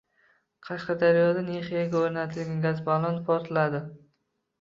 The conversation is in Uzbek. Qashqadaryoda Nexia’ga o‘rnatilgan gaz balloni portladi